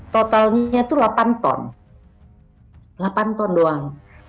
totalnya itu delapan ton delapan ton doang